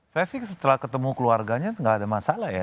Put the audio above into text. saya sih setelah ketemu keluarganya nggak ada masalah ya